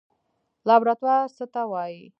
لابراتوار څه ته وایي؟